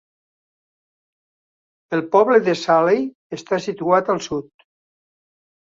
El poble de Salley està situat al sud.